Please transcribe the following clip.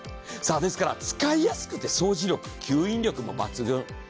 さあですから使いやすくて掃除力吸引力も抜群。